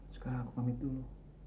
sekarang aku pamit dulu